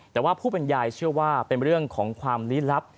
แต่ว่าผู้เป็นยายเชื่อว่าเป็นเรื่องของความลี้ลับ